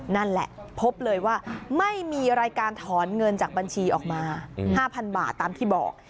นั่นแหละพบเลยว่าไม่มีรายการถอนเงินจากบัญชีออกมา๕๐๐บาทตามที่บอก